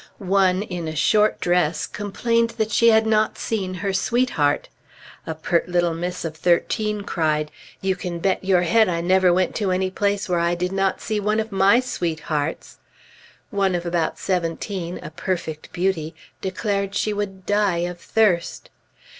One in a short dress complained that she had not seen her sweetheart. A pert little miss of thirteen cried, "You can bet your head I never went to any place where I did not see one of my sweethearts." One of about seventeen, a perfect beauty, declared she would die of thirst.